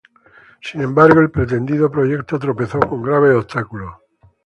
Sin embargo, el pretendido proyecto tropezó con graves obstáculos.